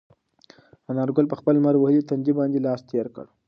انارګل په خپل لمر وهلي تندي باندې لاس تېر کړ.